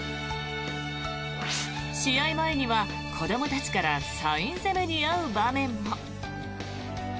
試合前には子どもたちからサイン攻めに遭う場面も。